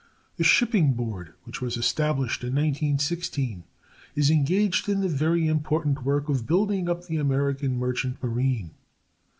The Shipping Board, which was established in 1916, is engaged in the very important work of building up the American merchant marine.